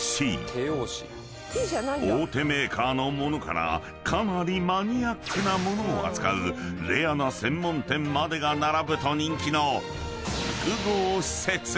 ［大手メーカーの物からかなりマニアックな物を扱うレアな専門店までが並ぶと人気の複合施設］